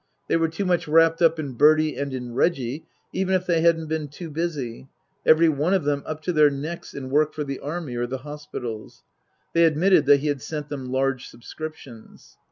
They were too much wrapped up in Bertie and in Reggie, even if they hadn't been too busy every one of them up to their necks in work for the Army or the hospitals. They admitted that he had sent them large subscriptions.